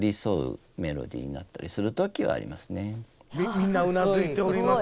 みんなうなずいております。